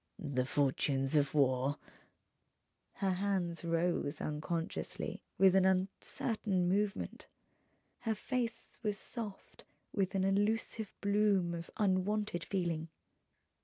"The fortunes of war ..." Her hands rose unconsciously, with an uncertain movement. Her face was soft with an elusive bloom of unwonted feeling.